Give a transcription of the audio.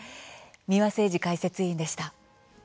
三輪誠司解説委員でした。